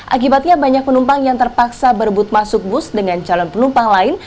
akibatnya banyak penumpang yang terpaksa berebut masuk bus dengan calon penumpang lain